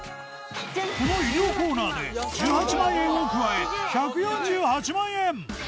この衣料コーナーで１８万円を加え１４８万円